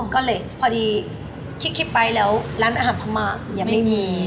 ก็เลยพอดีคิดไปแล้วร้านอาหารเพราะมากยังไม่มี